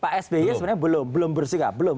pak sby sebenarnya belum bersikap belum